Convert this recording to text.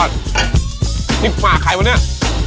ทริปมาใครวะเนี่ย